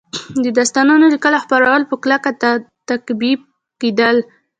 د داستانونو لیکل او خپرول په کلکه تعقیب کېدل